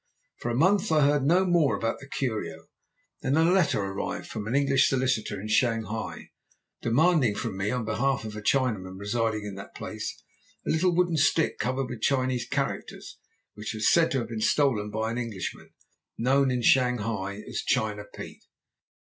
For a month I heard no more about the curio. Then a letter arrived from an English solicitor in Shanghai, demanding from me, on behalf of a Chinaman residing in that place, a little wooden stick covered with Chinese characters, which was said to have been stolen by an Englishman, known in Shanghai as China Pete.